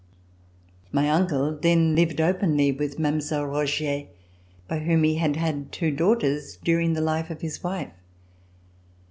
My uncle then lived openly with Mile. Rogier, by whom he had had two daughters during the life of his wife.